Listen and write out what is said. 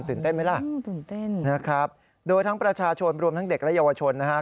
ตื่นเต้นไหมล่ะนะครับโดยทั้งประชาชนรวมทั้งเด็กและเยาวชนนะฮะ